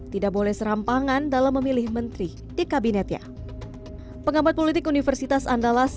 tidak boleh serampangan dalam memilih menteri di kabinetnya pengamat politik universitas andalas